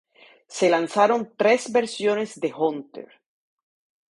Se lanzaron tres versiones de "Hunter".